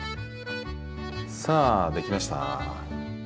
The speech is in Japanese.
さあ、できました。